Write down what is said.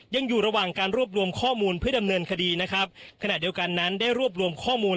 ยังอยู่ระหว่างการรวบรวมข้อมูล